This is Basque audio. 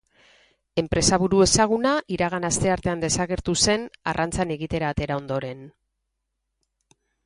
Enpresaburu ezaguna iragan asteartean desagertu zen, arrantzan egitera atera ondoren.